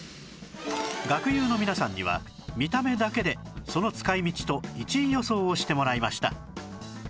学友の皆さんには見た目だけでその使い道と１位予想をしてもらいました